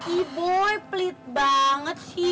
ih boy pelit banget sih